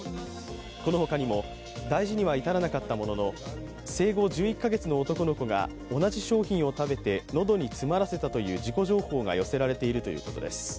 このほかにも大事には至らなかったものの生後１１カ月の男の子が同じ商品を食べて喉に詰まらせたという事故情報が寄せられているということです。